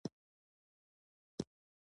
له خوشالۍ ټوپونه ووهل.